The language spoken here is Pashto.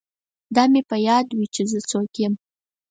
دا مې په یاد وي چې زه څوک یم